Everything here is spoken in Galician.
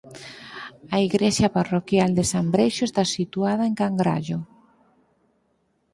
A igrexa parroquial de San Breixo está situada en Cangrallo.